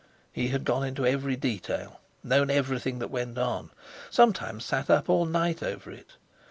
He had gone into every detail, known everything that went on, sometimes sat up all night over it.